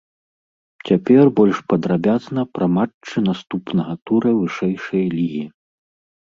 Цяпер больш падрабязна пра матчы наступнага тура вышэйшай лігі.